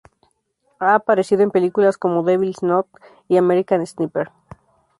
Ha aparecido en películas como "Devil's Knot" y "American Sniper.